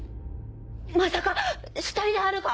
まさか死体であるか